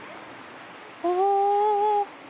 お！